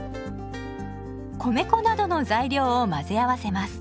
米粉などの材料を混ぜ合わせます。